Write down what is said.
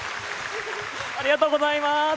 ありがとうございます！